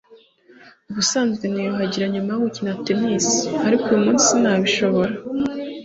Ubusanzwe niyuhagira nyuma yo gukina tennis ariko uyumunsi sinabishobora